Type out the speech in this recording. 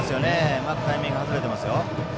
うまくタイミングが外れています。